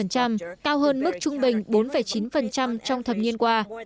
cao hơn mức trung bình bốn chín trong thập niên qua